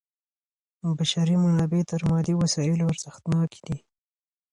بشري منابع تر مادي وسایلو ارزښتناکي دي.